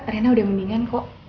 reina udah mendingan kok